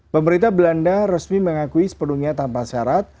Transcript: pemerintah belanda resmi mengakui sepenuhnya tanpa syarat